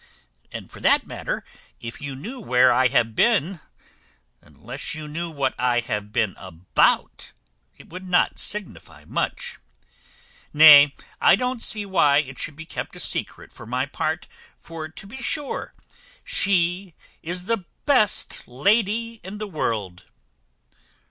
And for that matter, if you knew where I have been, unless you knew what I have been about, it would not signify much. Nay, I don't see why it should be kept a secret for my part; for to be sure she is the best lady in the world."